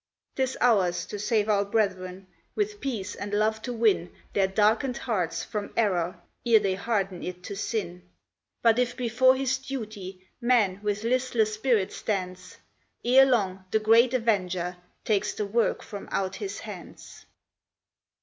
'Tis ours to save our brethren, with peace and love to win Their darkened hearts from error, ere they harden it to sin; But if before his duty man with listless spirit stands, Ere long the Great Avenger takes the work from out his hands.